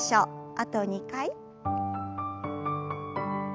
あと２回。